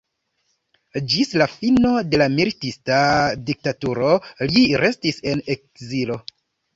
Ĝis la fino de la militista diktaturo li restis en ekzilo.